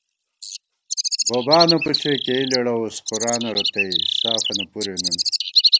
بوبانہ پُݪے کېئ لېڑَوُس قرآنہ رتئ، سافَنہ پُرے نُن